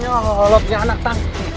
jangan nyolotnya anak tang